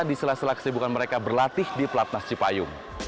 di sela sela kesibukan mereka berlatih di platnas cipayu